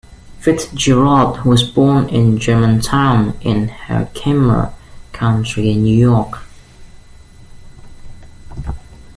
Fitzgerald was born in Germantown, in Herkimer County, New York.